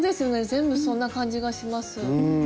全部そんな感じがします。